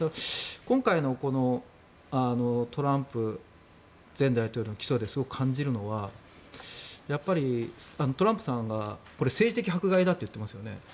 今回のトランプ前大統領の起訴ですごく感じるのはやっぱりトランプさんがこれは政治的迫害だって言ってますよね。